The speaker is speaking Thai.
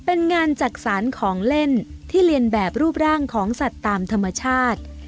เป็นงานจักษานของเล่นที่เรียนแบบรูปร่างของสัตว์ตามธรรมชาติ